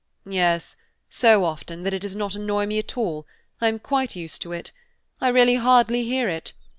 "Yes, so often that it does not annoy me at all; I am quite used to it; I really hardly hear it.